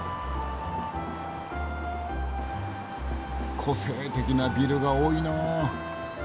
個性的なビルが多いなあ。